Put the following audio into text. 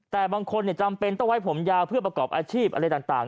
แต่บางคนจำเป็นต้องไว้ผมยาวเพื่อประกอบอาชีพอะไรต่าง